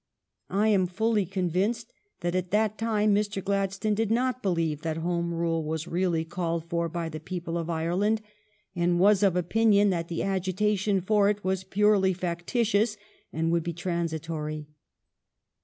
I am fully convinced that at that time Mr. Gladstone did not believe that Home Rule was really called for by the people of Ireland and was of opinion that the agitation for it was purely factitious and would be transitory.